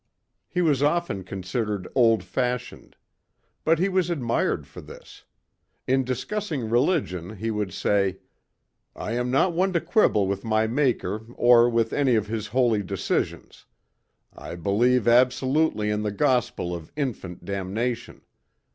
He was often considered old fashioned. But he was admired for this. In discussing religion he would say: "I am not one to quibble with my Maker or with any of His holy decisions. I believe absolutely in the gospel of infant damnation.